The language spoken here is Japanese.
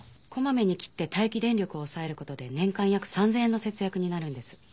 こまめに切って待機電力を抑える事で年間約３０００円の節約になるんです。